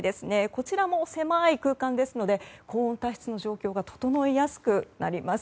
こちらも狭い空間ですので高温多湿の状況が整いやすくなります。